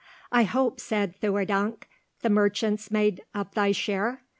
"I hope," said Theurdank, "the merchants made up thy share?